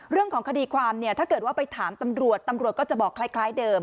เรื่องของคดีความเนี่ยถ้าเกิดว่าไปถามตำรวจตำรวจก็จะบอกคล้ายเดิม